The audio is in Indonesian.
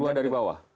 nomor dua ada di bawah